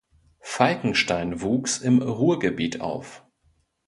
Falkenstein wuchs im Ruhrgebiet auf.